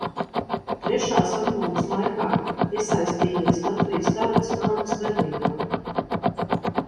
Trešās atmodas laikā iesaistījies Latvijas Tautas frontes darbībā.